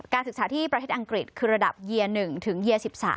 ศึกษาที่ประเทศอังกฤษคือระดับเยีย๑ถึงเยีย๑๓